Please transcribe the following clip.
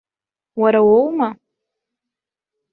Уара уоума?